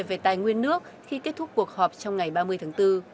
về tài nguyên nước khi kết thúc cuộc họp trong ngày ba mươi tháng bốn